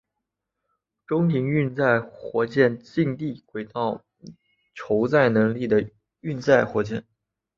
中型运载火箭近地轨道酬载能力的运载火箭。